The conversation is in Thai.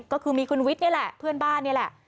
ก็คือมีคุณวิทย์นี่แหละเพื่อนบ้านนี่แหละ